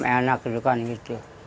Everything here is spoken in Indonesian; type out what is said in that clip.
enak gitu kan gitu